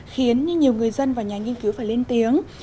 khiến nhiều người dân và nhà nghiên cứu phải lên tiếng